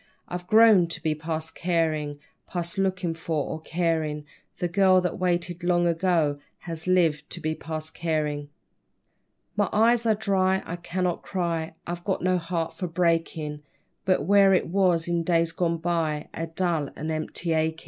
I've grown to be past carin' Past lookin' for or carin'; The girl that waited long ago, Has lived to be past carin'. My eyes are dry, I cannot cry, I've got no heart for breakin', But where it was in days gone by, A dull and empty achin'.